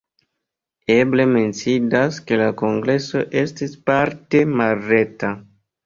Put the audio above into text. Eble menciindas, ke la kongreso estis parte malreta.